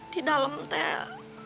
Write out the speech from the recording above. di dalam teh